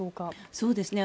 そうですね。